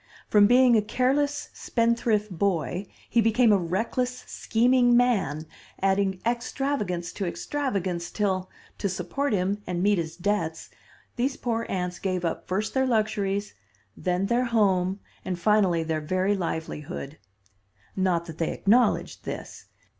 From being a careless spendthrift boy he became a reckless, scheming man, adding extravagance to extravagance, till, to support him and meet his debts, these poor aunts gave up first their luxuries, then their home and finally their very livelihood. Not that they acknowledged this.